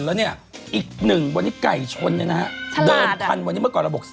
แล้วเนี่ยอีก๑วันนี้ไก่ชนเนี่ยนะฮะเดิมพันธุ์วันนี้เมื่อก่อนเราบอก